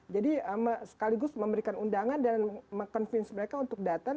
jadi sekaligus memberikan undangan dan mengakui mereka untuk datang